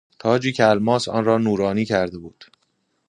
تاجی که الماس آن را نورانی کرده بود